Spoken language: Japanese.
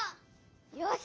よし！